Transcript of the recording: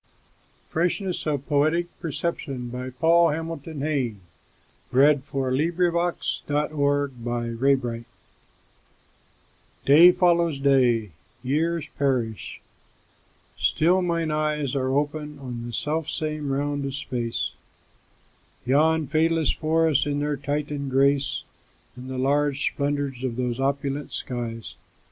Freshness of Poetic Perception Paul Hamilton Hayne (1830–1886) DAY follows day; years perish; still mine eyesAre opened on the self same round of space; Yon fadeless forests in their Titan grace, And the large splendors of those opulent skies.